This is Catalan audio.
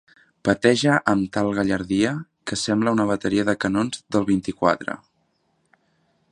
Petege amb tal gallardia que semble una bateria de canons del vint-i-quatre.